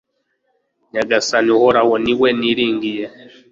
Nyagasani Uhoraho ni we niringiye